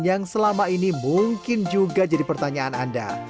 yang selama ini mungkin juga jadi pertanyaan anda